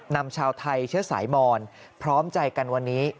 นำชาวไทยเชื้อสายมอนพร้อมใจกันวันนี้